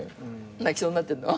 泣きそうになってんの。